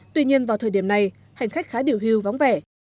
tuy nhiên vào thời điểm này hành khách khá điều hưu vóng vẻ